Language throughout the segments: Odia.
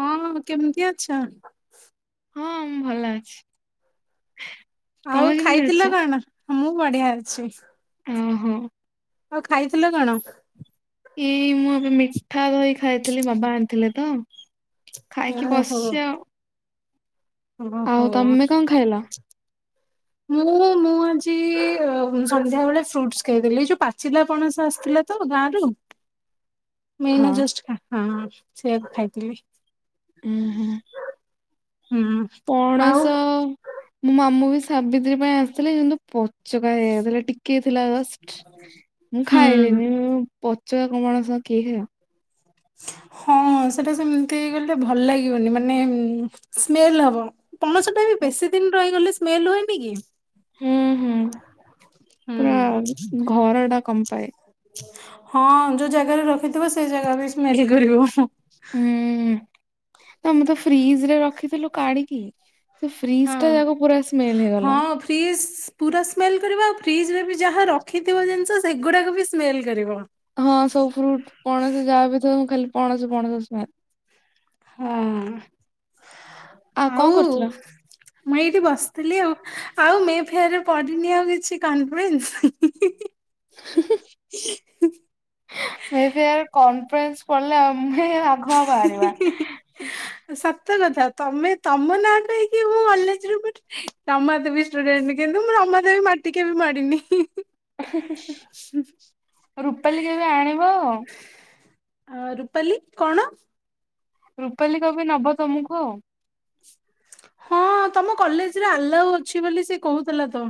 ହଁ କେମିତି ଅଛ? ହଁ ମୁଁ ଭଲ ଅଛି। ଆଉ ତମେ କେମିତି ଖାଇଥିଲ ଅଛ? କଣ? ମୁଁ ବଢିଆ ଅଛି। ଓ ହଁ। ଆଉ ଖାଇଥିଲ କଣ? ଏଇ ମୁଁ ଏବେ ମିଠା ଦହି ଖାଇଥିଲି ବାବା ଆଣିଥିଲେ ତ ଖାଇକି ଓହୋ ବସିଛି ଆଉ। ଓହୋ। ଆଉ ତୋମେ କଣ ଖାଇଲ? ମୋର ର ମୁଁ ଆଜି [unintelligible] ସନ୍ଧ୍ୟା ବେଳେ ଫ୍ରୁଟସ୍ ଖାଇଥିଲି। ଏଇ ଯୋଉ ପାଚିଲା ପଣସ ଆସିଥିଲା ତ ଗାଁ ରୁ। ମୁଁ ହଁ ଏଇନା ଜଷ୍ଟ ଅଁ, ହଁ ସେଇଆ କୁ ଖାଇଥିଲି। ଉଁ ହୁଁ ହୁଁ। ଆଉ ପଣସ ମାମୁଁ ବି ସାବିତ୍ରୀ ପାଇଁ ଆସିଥିଲେ କିନ୍ତୁ ପଚକା ହେଇଆଉଥିଲା ଟିକେ ଥିଲା ଜଷ୍ଟ ମୁଁ ହୁଁ। ଖାଇଲିନି ମୁଁ ପଚରା କମଣସ କିଏ ଖାଇବ। ହଁ ହଁ ସେଟା ସେମିତି କଲେ ଭଲ ଲାଗିବନି ମାନେ ଉଁ, ସ୍ମେଲ୍ ହବ। ପଣସ ଟା ବି ବେଶୀ ଦିନ ରହିଗଲେ ସ୍ମେଲ ହୁଏନି କି। ହୁଁ ହୁଁ ପୁରା ହୁଁ। ଘର ଟା କମ୍ପାଏ। ହଁ ଯୋଉ ଜାଗାରେ ରଖିଥିବ ସେଇ ଜାଗା ବି ସ୍ମେଲ କରିବ। ହୁଁ ଆଉ ମୁଁ ତ ଫ୍ରିଜ ରେ ରଖିଥିଲୁ କାଢିକି। ସେ ଫ୍ରିଜ ଟା ଯାକ ପୁରା ସ୍ମେଲ ହେଇଗଲା। ଫ୍ରିଜ୍ ପୁରା ସ୍ମେଲ୍ କରିବ ଆଉ ଫ୍ରିଜରେ ବି ଯାହା ରଖିଥିବ ଜିନିଷ ସେଗୁଡ଼ାକ ବି ସ୍ମେଲ୍ କରିବ। ହଁ ସବୁ ଫ୍ରୁଟ ପଣସ ଯାହା ବି ଥିବ ଖାଲି ପଣସ ପଣସ ସ୍ମେଲ। ହଁ କଣ ଆଉ। କରୁଥିଲ? ମୁଁ ଏଇଠି ବସିଥିଲି ଆଉ ଆଉ ମେ ଫେୟାର ରେ ପଡିିନି ଆଉ କିଛି କନ୍ଫ୍ଲୁଏନ୍ସ। [unintelligible] ମେ ଫେୟାର କମଫରେନ୍ସ ପଡ଼ିଲେ ଆମ ଆଗୁଆ ବାହାରିବା। ସତ କଥା ତମେ ତମ ନାଁ କହିକି ମୁଁ କଲେଜ ରୁ ବି ରମା ଦେବି ଷ୍ଟୁଡେଣ୍ଟ କିନ୍ତୁ ମୁଁ ରମା ଦେବି ମାଟି କେବେ ମାଡ଼ିନି। ଆ ରୂପାଲି କେବେ ଆଣିବ। ଅ ରୁପାଲି କଣ ରୂପାଲି କବି ନବ ତମକୁ ଆଉ। ହଁ ତମ କଲେଜରେ ଆଲାଉ ଅଛି ବୋଲି ସେ କହୁଥିଲା ତ।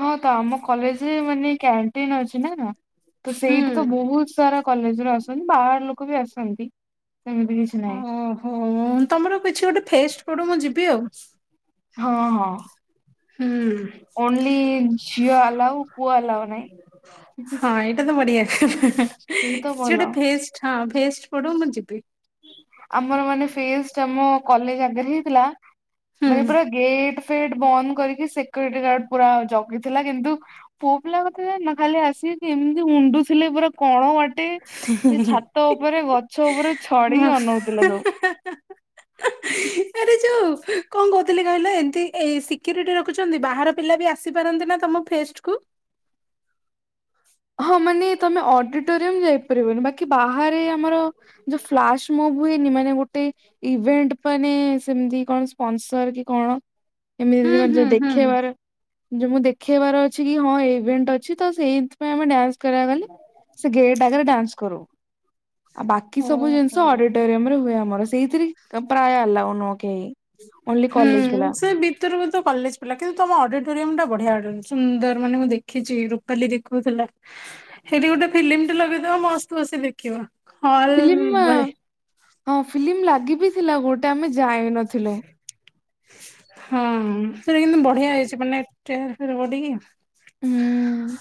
ହଁ ତ ଆମ କଲେଜରେ ମାନେ କ୍ୟାଣ୍ଟିନ ଅଛି ନା ତ ସେଇଠି ତ ହୁଁ। ବହୁତ ସାରା କଲେଜ ରୁ ଆସନ୍ତି ବାହାର ଲୋକ ବି ଆସନ୍ତି ସେମିତି କିଛି ନାହିଁ। ହଁ ତମର କିଛି ଗୋଟେ ଫେଷ୍ଟ ପଡୁ ମୁଁ ଯିବି ଆଉ। ହଁ ହଁ। ହୁଁ। ଓନ୍ଲି ଝିଅ ଆଲାଉ ପୁଅ ଆଲାଓ ନାହିଁ। ହଁ ଏଇଟା ତ ବଢିଆ ହେଁ ହେଁ ହେଁ ସେଇ ତ କିଛି ଭଲ ଗୋଟେ ୱେଷ୍ଟ ହଁ ୱେଷ୍ଟ ପଡୁ ମୁଁ ଯିବି। ଆମର ମାନେ ଫେଷ୍ଟ ଆମ କଲେଜ ଆଗରେ ହେଇଥିଲା ମାନେ ହୁଁ। ପୁରା ଗେଟ୍ ଫେଟ ବନ୍ଦ କରିକି ସିକ୍ୟୁରିଟି ଗାର୍ଡ ପୁରା ଜଗିଥିଲା କିନ୍ତୁ ପୁଅ ପିଲା କଥା ଜାଣିନୁ ଖାଲି ଆସିକି ଏମିତି ଉଣ୍ଡୁ ଥିଲେ ପୁରା। କଣ ବାଟି ସେ ଛାତ ଉପରେ ଗଛ ଉପରେ ଛଡିକି ଅନଉଥିଲେ ସବୁ। ହେଁ ହେଁ ହିଁ। ଏ ଯଉ କଣ କହୁଥିଲି କହିଲ ଏମିତି ଏଇ ସିକ୍ୟୁରିଟି ରଖୁଛନ୍ତି ବାହାର ପିଲା ବି ଆସିପାରନ୍ତି ନା ତମ ଫେଷ୍ଟ କୁ। ହଁ ମାନେ ତମେ ଅଡିଟୋରିୟମ ଯାଇପାରିବନି ବାକି ବାହାରେ ଆମର ଯୋଉ ଫ୍ଲାସ ମୋମ ହୁଏନି ମାନେ ଗୋଟେ ଇଭେଣ୍ଟ ମାନେ ସେମତି କଣ ସ୍ପନସର କି କଣ? ଏମିତି ହୁଁ ମାନେ ହୁଁ ହୁଁ। ଦେଖେଇବାର ଯେ ମୁଁ ଦେଖେଇବାର ଅଛି କି ହଁ ଇଭେଣ୍ଟ ଅଛି ତ ସେଇ ଆମେ ଡ୍ୟାନ୍ସ କରିବାକୁ ଗଲେ ସେ ଗେଟ ଆଗରେ ଡ୍ୟାନ୍ସ କରୁ। ଆଉ ବାକି ସବୁ ଓହୋ। ଜିନିଷ ଅଡିଟୋରିୟମ ରେ ହୁଏ ଆମର ସେଇଥିରେ ପ୍ରାୟ ଆଲଓ ନୁହଁ କେହି। ଓନ୍ଲି ହୁଁ କଲେଜ ପିଲା ସେ ବି ଭିତରେ ହୁଏତ କଲେଜ ପିଲା କିନ୍ତୁ ତମ ଅଡିଟୋରିୟମ ଟା ବଢିଆ ଅ ସୁନ୍ଦର ମାନେ ମୁଁ ଦେଖିଛି ରୁପାଲି ଦେଖଉଥିଲା। ସେଇଠି ଗୋଟେ ଫିଲ୍ମଟି ଲଗେଇଦବ ମସ୍ତ ବସିକି ଦେଖିବ। ହଲ ଫିଲ୍ମ ଭଳି ହଁ ଫିଲ୍ମ ଲାଗି ବିି ଥିଲା ଗୋଟେ ଆମେ ଯାଇନଥିଲୁ। ହଁ ସେଟା କିନ୍ତୁ ବଢିଆ ହେଇଛି ମାନେ ଚେୟାର ଫେୟାର ପଡ଼ିକି। ହୁଁ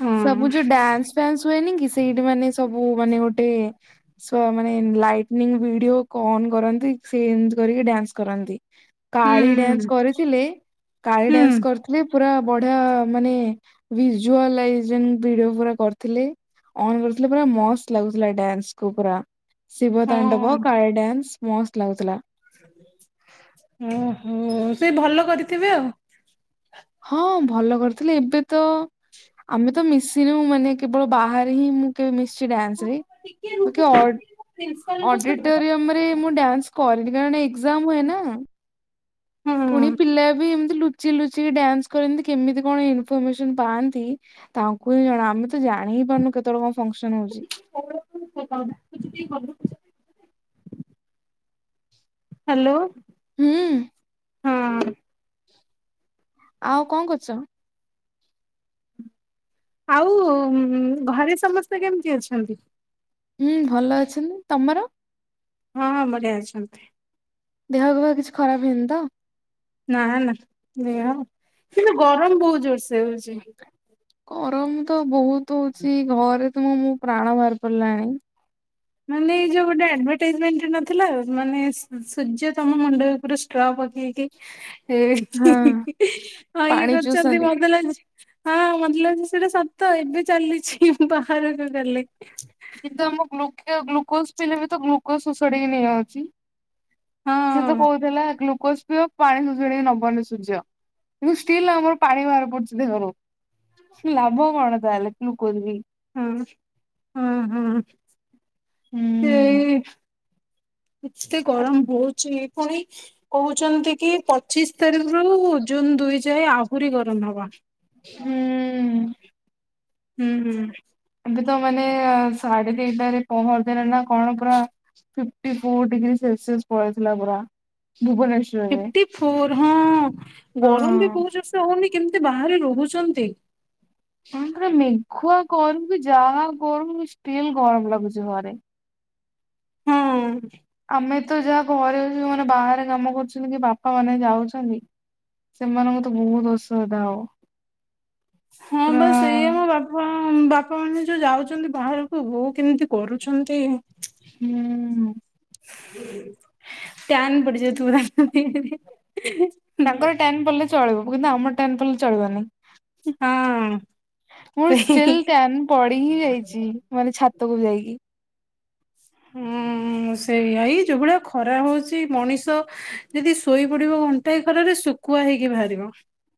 ହଁ ସବୁ ଯୋଉ ଡ୍ୟାନ୍ସ ଫ୍ୟାନ୍ସ ହୁଏନି କି ସେଇଠି ମାନେ ସବୁ ମାନେ ଗୋଟେ ଛୁଆ ମାନେ ଲାଇଟନିଂ ଭିଡିଓନ୍ କରନ୍ତି ସେଜ କରିକି ଡ୍ୟାନ୍ସ କରନ୍ତି। କାଳି ଡ୍ୟାନ୍ସ ହୁଁ କରିଥିଲେ କାଳି ହୁଁ ଡ୍ୟାନ୍ସ କରିଥିଲେ ପୁର ବଢିଆ ମାନେ ଭିଜୁଆ ଲାଇସନ୍ ଭିଡିଓ ପୁରା କରିଥିଲେ। ଆମର କରୁଥିଲୁ ପୁରା ମସ୍ତ ଲାଗୁଥିଲା ଡ୍ୟାନ୍ସ କୁ ପୁରା। ଶିବ ତାଣ୍ଡବ ହଁ। କାଳି ଡ୍ୟାନ୍ସ ମସ୍ତ ଲାଗୁଥିଲା। ଉଁ ହୁଁ ସେ ଭଲ କରିଥିବେ ଆଉ? ହଁ ଭଲ କରିଥିଲେ ଏବେ ତ ଆମେ ତ ମିଶିନୁ ମାନେ କେବଳ ବାହାରେ ହିଁ ମୁଁ କେବେ ମିଶିଚି ଡ୍ୟାନ୍ସ ହଁ। ରେ। [inaudible] ଅଡିଟେରିୟମ ରେ ମୁଁ ଡ୍ୟାନ୍ସ କରିନି କାରଣ ଏ ଏକ୍ଜାମ୍ ହୁଏ ନା। ପୁଣି ପିଲା ବି ଏମିତି ଲୁଚି ଲୁଚି ଡ୍ୟାନ୍ସ କରନ୍ତି କେମିତି କଣ ଇନ୍ଫର୍ମେସନ୍ ପାଆନ୍ତି। ତାଙ୍କୁ ହିଁ ଜଣା ଆମେ ତ ଜାଣି ହିଁ ପାରୁନୁ କେତେବେଳେ କଣ ଫଙ୍କ୍ସନ୍ ହଉଚି। [unintelligible] ହାଲୋ। ହୁଁ। ହୁଁ। ଆଉ କଁ କରୁଚ? ଆଉ ଘରେ ସମସ୍ତେ କେମିତି ଅଛନ୍ତି? ହୁଁ ଭଲ ଅଛନ୍ତି ତମର? ହଁ ହଁ ବଢିଆ ଅଛନ୍ତି। ଦେହ ଫେଅ କିଛି ଖରାପ ହେଇନି ତ? ନା ନା ଦେହ କିନ୍ତୁ ଗରମ ବହୁ ଜୋର୍ ସେ ହଉଚି। ଗରମ ତ ବହୁତ୍ ହଉଚି ଘରେ ତ ମୁଁ ମୋ ପ୍ରାଣ ବାହାରି ବାହାରିପଇଲାଣି। ମାନେ ଏଇ ଯୋଉ ଗୋଟେ ଆଡ୍ଭଟାଇଜ୍ ମେଣ୍ଟ ନଥିଲା ମାନେ ସୂର୍ଯ୍ୟ ତାଙ୍କ ମୁଣ୍ଡ ଉପରେ ଷ୍ଟ୍ର ପକେଇକି ହଁ [unintelligible] ଇଏ ପାଣି କରୁଚନ୍ତି ପିଉଛନ୍ତି। ମତେ ଲାଗୁଚି ହଁ ମତେଲାଗୁଚି ସେଇଟା ସତ ଏବେ ଚାଲୁଛି ବାହାରକୁ ଗଲେ। କିନ୍ତୁ ଆମ ମୁଖ୍ୟ ଗୁକ୍ଲୋଜ୍ ପିଲଲେ ବି ତ ଗୁକ୍ଲୋଜ୍ ସୋଷାଡ଼ିକି ନେଇଯାଉଚି। ସେ ହଁ ବି କହୁଥିଲା ଗ୍ଲୁକୋଜ୍ ସିଏ ଆଉ ପାଣି ସୋସାଡିକି ନବନି ସୂର୍ଯ୍ୟ ଜୁସ୍ ପିଇଲେ ଆମର ପାଣି ବାହାରପଡିୁଚି ଦେହରୁ। ଲାଭ କଣ ତା ଏଲେ ଗ୍ଲୁକୋଜ୍ ପିଇ ହୁଁ ହୁଁ ହୁଁ। ହୁଁ ସେଇ ଏତେ ଆ ଗରମ ହଉଚି ପୁଣି କହୁଚନ୍ତି କି ପଚିଶି ତାରିଖ ରୁ ଜୁନ୍ ଦୁଇ ଯାଏ ଆହୁରି ଗରମ ହବ। ହୁଁ। ହୁଁ ହୁଁ। ଏବେ ତ ମାନେ ସାଢେ ଦିଟାରେ ପହରଦିନ କଣ ପୁରା ଫିଫ୍ଟି ଫୋର୍ ଡିଗ୍ରୀ ସେଲସିସ୍ ପଳେଇଥିଲା ପୁରା ଭୁବନେଶ୍ବର ଫିପ୍ଟି ଫୋର୍ ହଁ ଗରମ ବି ହଁ। ବହୁ ଜୋର୍ସେ ହଉନି କେମିତି ବାହାରେ ରହୁଚନ୍ତି? ହଁ ପରା ମେଘୁଆ କରୁ କି ଯାହା କରୁ ଷ୍ଟିଲ୍ ଗରମ ଲାଗୁଚି ଘରେ। ହୁଁ। ଆମେ ତ ଯାହା ଘରେ ଅଉ ଯୋଉମାନେେ ବାହାରେ କାମ କରୁଚନ୍ତି କି ବାପା ମାନେ ଯାଉଛନ୍ତି। ସେମାନଙ୍କୁ ତ ବହୁତ୍ ଅସୁବିଦା ହବ। ହଁ ବା ପୁରା ସେଇଆ ବାପା ବାପା ମାନେ ଯୋଉ ଯାଉଚନ୍ତି ବାହାରକୁ ବୋଉ କେମିତି କରୁଛନ୍ତି। ହୁଁ। ଟ୍ୟାନ୍ ପଡିଯାଉଥିବ [inaudible] ତାଙ୍କର ଟ୍ୟାନ୍ ପଇଲେ ଚଳିବ କିନ୍ତୁ ଆମର ଟ୍ୟାନ୍ ପଇଲେ ଚଳିବନି। ହଁ ମୁ ଷ୍ଟିଲ୍ ସେଇ ଟ୍ୟାନ୍ ପଡିି ହିଁ ଯାଇଚି। ମାନେ ଛାତକୁ ଯାଇକି। ହୁଁ ସେଇଆ, ଏଇ ଯୋଉ ଭଳିଆ ଖରା ହଉଛି ମଣିଷ ଯଦି ଶୋଇପଡ଼ିବ ଘଣ୍ଟାଏ ଖରାରେ ଶୁକୁଆ ହେଇକି ବାହାରିବ।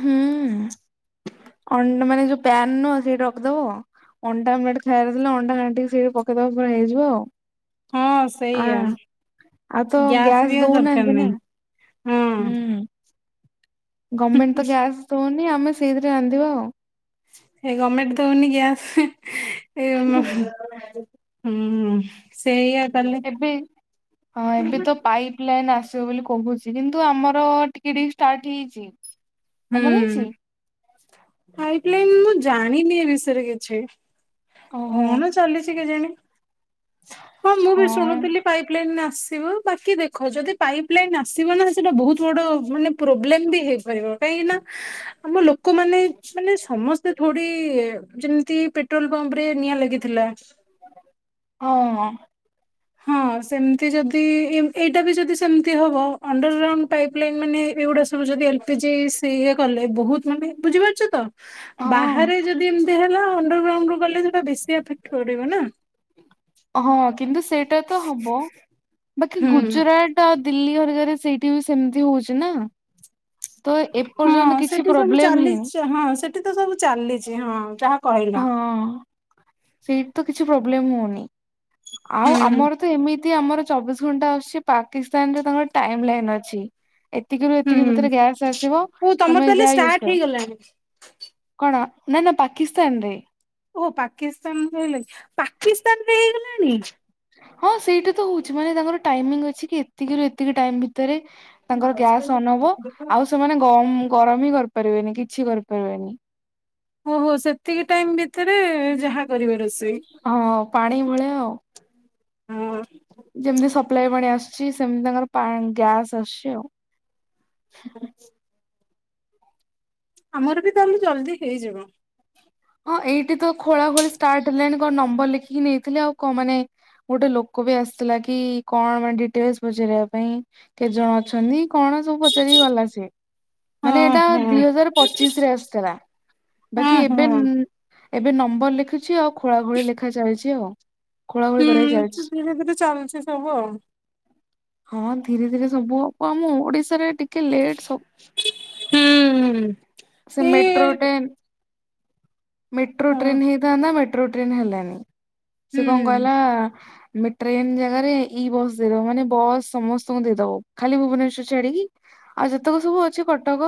ହୁଁ, ଅଣ୍ଡ୍ ମାନେ ଯୋଉ ପ୍ୟାନ୍ ନୁହଁ ସେଇଠି ରଖିଦବ ଅଣ୍ଡା ଆମଲେଟ୍ ଖାଇବାର ଥିଲେ ଅଣ୍ଡା ଘାଣ୍ଟିକି ସେଇଠି ପକେଇଦବ ପୁରା ହେଇଯିବ ଆଉ। ହଁ ଆ ସେଇଆ। ଆଉ ତ ଗ୍ୟାସ୍ ବି ଆଉ ଦରକାର ଦଉନାହାନ୍ତି ନା ନାହିଁ, ହଁ। ହୁଁ। ଗମେଣ୍ଟ ତ ଗ୍ୟାସ୍ ଦଉନି ଆମେ ସେଇଥିରେ ରାନ୍ଧିବା ଆଉ। ସେ ଗମେଣ୍ଟ ଦଉନି ଗ୍ୟାସ୍ ଏ [unintelligible] ହୁଁ, ସେଇଆ। କଲେ ଏବେ, ହଁ ଏବେ ହୁଁ ତ ପାଇ ପ୍ ଲାଇନ୍ ଆସିବ ବୋଲି କହୁଛି କିନ୍ତୁ ଆମର ଟିକେ ଟିକେ ଷ୍ଟାର୍ଟ ହେଇଛି। ତମର ହେଇଛି? ହୁଁ, ପାଇପ୍ ଲାଇନ୍ ମୁ ଜାଣିନି ଏ ବିଷୟରେ କିଛି। ଓହୋ। କଣ ଚାଲିଛି କେଜାଣି? ହଁ ମୁଁ ବି ଶୁଣୁଥିଲି ପାଇପ୍ ଲାଇନରେ ଆସିବ ବାକି ଦେ ଖ ଯଦି ପାଇପ୍ ଲାଇନ୍ ଆସିବ ନା ସେଟା ବହୁତ ବଡ ମାନେ ପ୍ରୋବ୍ଲେମ ବି ହେଇପାରିବ। କାହିଁକି ନା ଆମ ଲୋକମାନେ ମାନେ ସମସ୍ତେ ଥୋଡି ଯେମିତି ପେ ଟ୍ରୋଲ୍ ପମ୍ପରେ ନିଆଁ ଲାଗିଥିଲା। ହଁ ହଁ ସେମତି ଯଦି ଏମ୍ ଏଇଟା ବି ଯଦି ସେମତି ହବ ଅଣ୍ଡରଗ୍ରାଉଣ୍ଡ ପାଇପ ପ୍ ଲାଇନ୍ ମାନେ ଏଗୁଡା ସବୁ ଯଦି ଏଲ୍ପିଜିି ସେ ଇଏ କଲେ ବହୁତ ମାନେ ବୁଝିପାରୁଛ ତ? ହଁ ବାହାରେ ଯଦି ଏମିତି ହେଲା ଅଣ୍ଡରଗ୍ରାଉଣ୍ଡରୁ ଗଲେ ସେଟା ବେଶୀ ଆଫେକ୍ଟ ପଡିବ ନା। ହଁ କିନ୍ତୁ ସେଇଟା ତ ହବ, ବାକି ହୁଁ ଗୁଜୁରା ଟ ଦିଲ୍ଲୀ ହରିକାରେ ସେଇଠି ବି ସେମିତି ହଉଛି ନା, ତ ଏ ହଁ ସେଠି ସବୁ ଚାଲିଚି ହଁ, ସେଠି ତ ସବୁ ଚାଲିଛି ହଁ ଯାହା କହିଲ। ହଁ, ସେଇଠି ତ କିଛି ପ୍ରୋବ୍ଲେମ୍ ହଉନି, ଆଉ ହୁଁ ଆମର ତ ଏମିତି ଆମର ଚବିଶ୍ ଘଣ୍ଟା ଆସୁଛି ପାକିସ୍ତାନରେ ତାଙ୍କର ଟାଇମ୍ ଲାଇନ୍ ଅଛି। ଏତିକିରୁ ଏତିକି ଭିତରେ ହୁଁ ଗ୍ୟାସ୍ ଆସିବ ଓ ତମର ତମେ ତାହେଲେ ଯାହା ୟୁଜ୍ ଷ୍ଟାର୍ଟ କର। ହେଇଗଲାଣି କଣ ନା ନା ପାକିସ୍ତାନରେ। ଓଃ ପାକିସ୍ତାନ କହିଲ, ପାକିସ୍ତାନରେ ହେଇଗଲାଣି? ହଁ ସେଇଟି ତ ହଉଛି ମାନେ ତାଙ୍କର ଟାଇମିଙ୍ଗ୍ ଅଛି କି ଏତିକିରୁ ଏତିକି ଟାଇମ୍ ଭିତରେ ତାଙ୍କର ଗ୍ୟାସ୍ ଅନ୍ ହବ, ଆଉ ସେମାନେ ଗମ୍ ଗରମ ହିଁ କରିପାରିବେନି କିଛି କରିପାରିବେନି। ଓହୋ ସେତିକି ଟାଇମ୍ ଭିତରେ ଯାହା କରିବ ରୋଷ୍ ହଁ ପାଣି ଭଳିଆ ଆଉ। ହଁ ଯେମିତି ସପ୍ଲାଇ ପାଣି ଆସୁଛି ସେମିତି ତାଙ୍କର ପାଣ୍ ଗ୍ୟାସ୍ ଆସୁଛି ଆଉ। [unintelligible] ଆମର ବି ତାହେଲେ ଜଲ୍ଦି ହେଇଯିବ। ହଁ ଏଇଠି ତ ଖୋଳା ଖୋଳି ଷ୍ଟାର୍ଟ ହେଲାଣି କଣ ନମ୍ବର ଲେଖିକି ନେଇଥିଲେ ଆଉ କ ମାନେ ଗୋଟେ ଲୋକ ବି ଆସିଥିଲା କି କଣ ପାଇଁ ଡିଟେଲ୍ସ ପଚାରିବା ପାଇଁ। କେତେ ଜଣ ଅଛନ୍ତି, କଣ ସବୁ ପଚାରିକି ଗଲା ସିଏ। ମାନେ ହଁ ଏଇଟା ଦି ହଁ ହଜାର ପଚିଶରେ ଆସିଥିଲା, ହଁ ବାକି ଏ ହଁ ଉଁ, ଏବେ ନମ୍ବର ଲେଖୁଛି ଆଉ ଖୋଳାଖୋଳି ଲେଖା ଚାଲିଛି ଆଉ। ଖୋଳା ଖୋଳି ହୁଁ କରିବା ଚାଲିଛି। ସେ ଧିରେ ଧିରେ ଚାଲିଛି ସବୁ ଆଉ। ହଁ ଧୀରେ ଧୀରେ ସବୁ ହବ, ଆମ ଓଡିଶାରେ ଟି ଏତେ ଲେଟ୍ ହୁଁ ସେ ଏ ମେଟ୍ରୋ ଟ୍ରେନ୍। ମେଟ୍ରୋ ହଁ ଟ୍ରେନ ହେଇଥାନ୍ତା ମେଟ୍ରୋ ଟ୍ରେନ ହେଲାନି ସେ କଣ ହୁଁ। କହିଲା। ଟ୍ରେନ ଜାଗାରେ ଇ ବସ୍ ଦେଇଦବ ମାନେ ବସ୍ ସମସ୍ତଙ୍କୁ ଦେଇଦବ ଖାଲି ଭୁବନେଶ୍ଵର ଛାଡିକି। ଆଉ ଯେତେକ ସବୁ ଅଛି କଟକ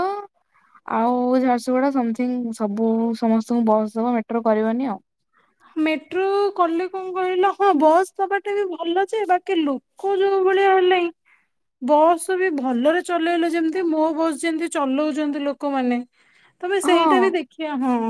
ଆଉ ଝାରସୁଗୁଡା ସମଥିଙ୍ଗ ସବୁ। ବୁ ସମସ୍ତଙ୍କୁ ବସ ଦବ ମେଟ୍ରୋ କରିବନି ଆଉ। ମେଟ୍ରୋ କଲେ କଣ କହିଲ ହଁ ବସ୍ ଦବାଟେ ବି ଭଲଛ ବାକି ଲୋ। କ ଯୋଉ ଭଳିଆ ହେଲେ ଇଁ। ବସ୍ ବି ଭଲରେ ଚଲେଇଲେ ଯେମତି ମୋ ବସ୍ ଯେମିତି ଚଲଉଛନ୍ତି ଲୋକମାନେ। ତମେ ସେଇଟା ହଁ ବି ଦେଖଆ ହଁ।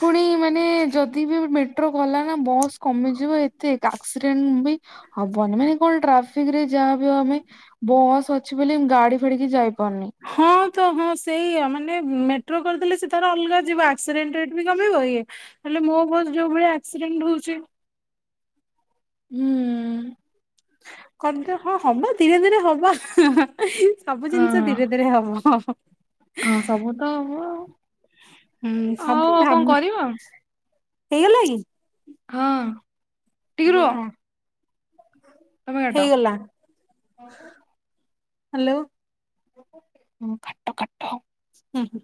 ପୁଣି ମାନେ ଯଦି ବି ମେଟ୍ରୋ ଗଲା ନା ବସ୍ କମିଯିବ ଏତେ କା। ଆକ୍ସିଡେଣ୍ଟ ବି ହବନି ମାନେ କଣ ଟ୍ରାଫିକ ରେ ଯାହାବି ହବ ଆମେ। ବସ୍ ଅଛି ବୋଲି ଗାଡି ଫାଡି ଯାଇପାରୁନି। ହଁ ତ ହଁ ସେଇଆ ମାନେ ମେଟ୍ରୋ କରିଦେଲେ ସେ ତାର ଅଲଗା ଯିବ ଆକ୍ସିଡେଣ୍ଟ ରେଟ ବି କମିବ ଇଏ। ହେଲେ ମୋ ବସ ଯୋଉ ଭଳିଆ ଆକ୍ସିଡେଣ୍ଟ ହଉଛି। ହୁଁ। କଣ ହଁ ହବ ଧୀରେ ଧୀରେ ହବ। ସବୁ ଜିନିଷ ହଁ ଧୀରେ ଧୀରେ ହବ। ହଁ ସବୁ ତ ହବ ହୁଁ ଆଉ ସବୁ ଆଉ କଣ ଭାବୁଚି କରିବା ହେଇଗଲା କି? ହଁ। ଟିକେ ରୁହ ତମେ କାଟ। ହେଇଗଲା। ହ୍ୟାଲୋ। ହଁ ଖା ହୁଁ ହୁଁ।